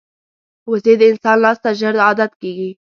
وزې د انسان لاس ته ژر عادت کېږي